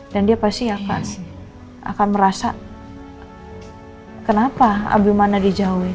dan dia pasti akan merasa kenapa abimane dijauhin